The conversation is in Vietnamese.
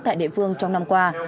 tại địa phương trong năm qua